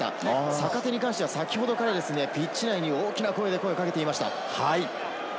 坂手に関しては先ほどからピッチ内に大きな声をかけていました。